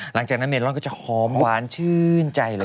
หลังจากนั้นเมลอนก็จะหอมหวานชื่นใจเลย